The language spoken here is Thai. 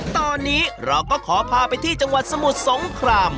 ตอนนี้เราก็ขอพาไปที่จังหวัดสมุทรสงคราม